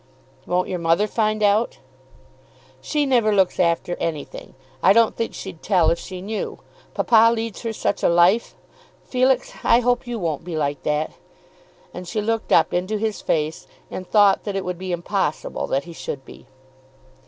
"Won't your mother find out?" "She never looks after anything. I don't think she'd tell if she knew. Papa leads her such a life! Felix! I hope you won't be like that." And she looked up into his face, and thought that it would be impossible that he should be.